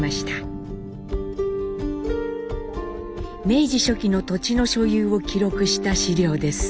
明治初期の土地の所有を記録した資料です。